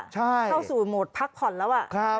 เข้าสู่โหมดพักผ่อนแล้ว